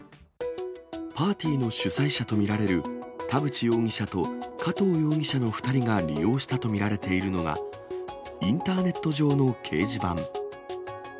パーティーの主催者と見られる、田渕容疑者と加藤容疑者の２人が利用したと見られているのが、インターネット上の掲示板。